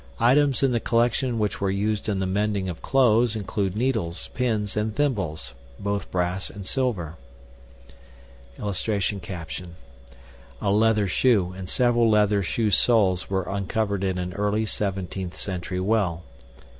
Items in the collection which were used in the mending of clothes include needles, pins, and thimbles (both brass and silver). [Illustration: A LEATHER SHOE AND SEVERAL LEATHER SHOE SOLES WERE UNCOVERED IN AN EARLY 17TH CENTURY WELL.